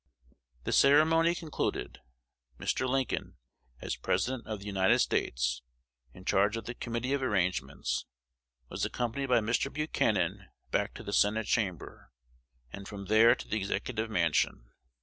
The ceremony concluded, Mr. Lincoln, as President of the United States, in charge of the Committee of Arrangements, was accompanied by Mr. Buchanan back to the Senate Chamber, and from there to the Executive Mansion.